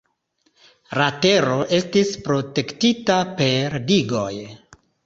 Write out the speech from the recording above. La tero estis protektita per digoj.